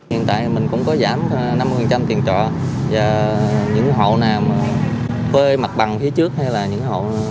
hiện tại mình cũng có giảm năm mươi tiền trọ và những hậu nào phơi mặt bằng phía trước hay là những hậu